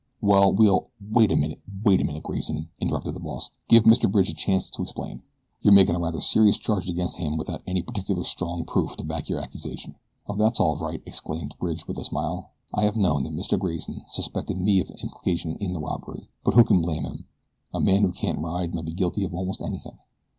Well, we'll " "Wait a moment, wait a moment, Grayson," interrupted the boss. "Give Mr. Bridge a chance to explain. You're making a rather serious charge against him without any particularly strong proof to back your accusation." "Oh, that's all right," exclaimed Bridge, with a smile. "I have known that Mr. Grayson suspected me of implication in the robbery; but who can blame him a man who can't ride might be guilty of almost anything."